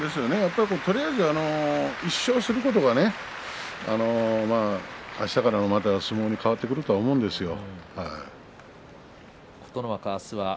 とにかく１勝することがあしたからの相撲に変わってくると思うんですよね。